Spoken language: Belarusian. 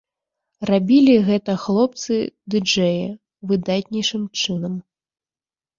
Рабілі гэта хлопцы-дыджэі выдатнейшым чынам.